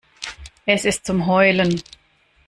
Es ist zum Heulen.